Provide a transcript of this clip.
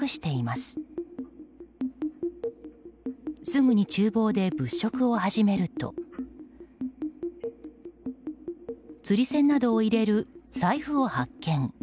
すぐに厨房で物色を始めるとつり銭などを入れる財布を発見。